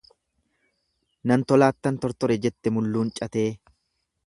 Nan tolaattan tortore jette mulluun caxee.